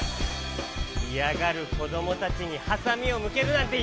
いやがるこどもたちにハサミをむけるなんてゆるせない！